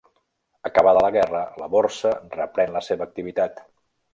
Acabada la guerra, la borsa reprèn la seva activitat.